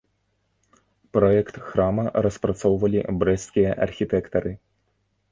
Праект храма распрацоўвалі брэсцкія архітэктары.